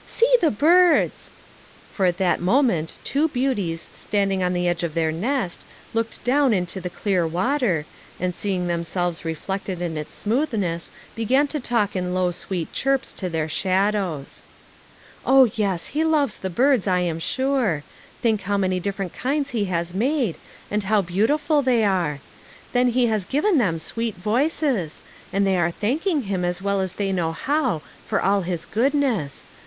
See the birds !" For at that moment two beauties standing on the edge of their nest, looked down into the clear water, and seeing themselves reflected in its smoothness be gan to talk in low sweet chirps to their shadows. " Oh, yes, He loves the birds, I am sure ; think how many different kinds He has made, and how beautiful they are. Then He has given them sweet voices, and they are thanking Him as well as they know how, for all his goodness.